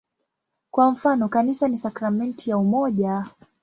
Kwa mfano, "Kanisa ni sakramenti ya umoja".